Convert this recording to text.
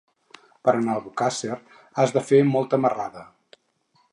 Per anar a Albocàsser has de fer molta marrada.